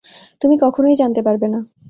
তুমি কখনোই জানতে পারবে না।